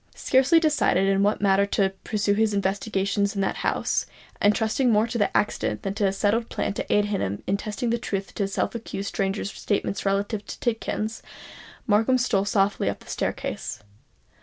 Scarcely decided in what manner to pursue his investigation in that house, and trusting more to accident than to any settled plan to aid him in testing the truth of the self accused stranger's statement relative to Tidkins,—Markham stole softly up the staircase.